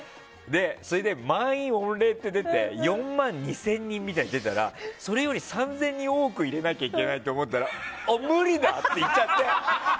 それで満員御礼って出て４万２０００人って出たらそれより３０００人多く入れないといけないとなったらあ、無理だ！って言っちゃって。